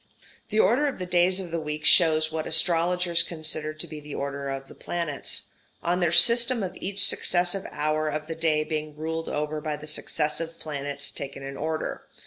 The order of the days of the week shows what astrologers considered to be the order of the planets; on their system of each successive hour of the day being ruled over by the successive planets taken in order.